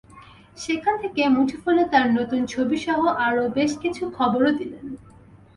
সেখান থেকে মুঠোফোনে তাঁর নতুন ছবিসহ আরও বেশ কিছু খবরও দিলেন।